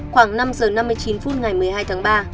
khoảng năm giờ năm mươi chín phút ngày một mươi hai tháng ba